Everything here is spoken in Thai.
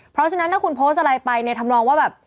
เพราะฉะนั้นถ้าคุณโพสต์อะไรไปเนี่ยทำนองว่าแบบ